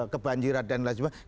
kebanjiran dan lain sebagainya